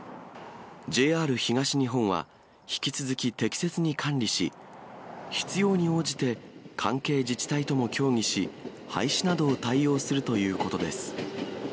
ＪＲ東日本は、引き続き適切に管理し、必要に応じて関係自治体とも協議し、廃止などを対応するということです。